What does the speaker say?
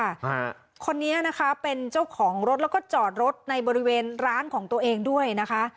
ฮะคนนี้นะคะเป็นเจ้าของรถแล้วก็จอดรถในบริเวณร้านของตัวเองด้วยนะคะ